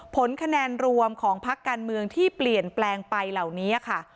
ผลคะแนนรวมของพักการเมืองที่เปลี่ยนแปลงไปเหล่านี้ค่ะ